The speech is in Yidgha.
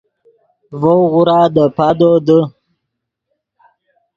ڤؤ غورا دے پادو دے